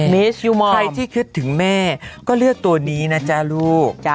แล้วถ้าเลือกถึงแม่ก็เลือกตัวนี้นะลูก